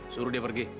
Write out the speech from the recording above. suruh dia pergi